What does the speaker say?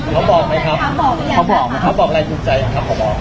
เขาบอกไหมครับเขาบอกอะไรจูงใจครับ